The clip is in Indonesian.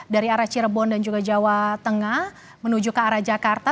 dari arah cirebon dan juga jawa tengah menuju ke arah jakarta